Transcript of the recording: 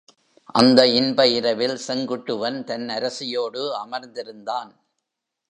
அந்த இன்ப இரவில் செங்குட்டுவன் தன் அரசியோடு அமர்ந்திருந்தான்.